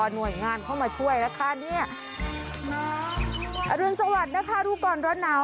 หน่วยงานเข้ามาช่วยนะคะเนี่ยอรุณสวัสดิ์นะคะรู้ก่อนร้อนหนาว